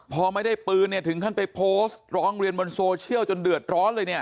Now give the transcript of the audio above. พอไม่ได้ปืนเนี่ยถึงขั้นไปโพสต์ร้องเรียนบนโซเชียลจนเดือดร้อนเลยเนี่ย